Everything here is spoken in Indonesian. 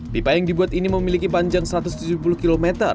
pipa yang dibuat ini memiliki panjang satu ratus tujuh puluh km